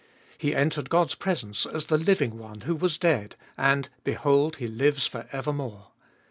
He entered God's presence as the living One who was dead, and behold, He lives for evermore.